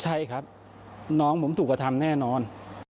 ใช่ครับน้องผมสุขธรรมแน่นอน